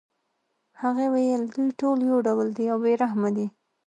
هغې ویل دوی ټول یو ډول دي او بې رحمه دي